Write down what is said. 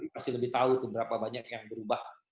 pasti lebih tahu tuh berapa banyak yang berubah